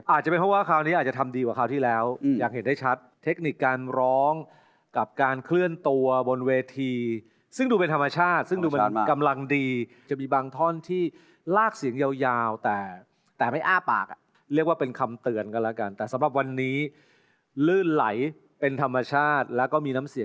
อาจจะเป็นเพราะว่าคราวนี้อาจจะทำดีกว่าคราวที่แล้วอยากเห็นได้ชัดเทคนิคการร้องกับการเคลื่อนตัวบนเวทีซึ่งดูเป็นธรรมชาติซึ่งดูมันกำลังดีจะมีบางท่อนที่ลากเสียงยาวแต่ไม่อ้าปากอ่ะเรียกว่าเป็นคำเตือนกันแล้วกันแต่สำหรับวันนี้ลื่นไหลเป็นธรรมชาติแล้วก็มีน้ำเสียง